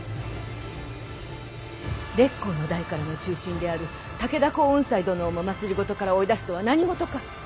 烈公の代からの忠臣である武田耕雲斎殿をも政から追い出すとは何事か。